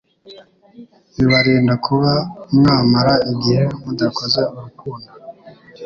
bibarinda kuba mwamara igihe mudakoze urukundo